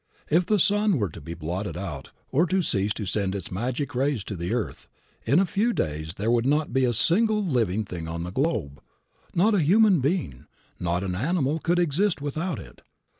If the sun were to be blotted out, or to cease to send its magic rays to the earth, in a few days there would not be a single living thing on the globe. Not a human being, not an animal could exist without it.